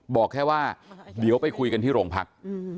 บอกแค่ว่าเดี๋ยวไปคุยกันที่โรงพัก